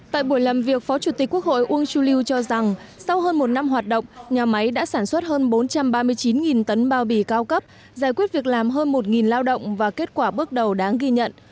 tại buổi làm việc phó chủ tịch quốc hội uông chu lưu cho rằng sau hơn một năm hoạt động nhà máy đã sản xuất hơn bốn trăm ba mươi chín tấn bao bì cao cấp giải quyết việc làm hơn một lao động và kết quả bước đầu đáng ghi nhận